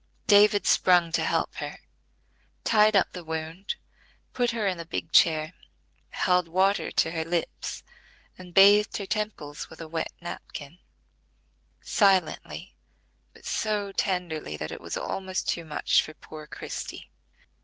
David sprung to help her, tied up the wound, put her in the big chair, held water to her lips, and bathed her temples with a wet napkin; silently, but so tenderly, that it was almost too much for poor Christie.